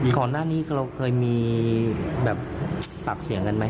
ก่อนหน้านี้เราเคยมีแบบปากเสียงกันไหม